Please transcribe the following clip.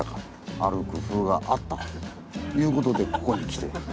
ある工夫があったという事でここに来て。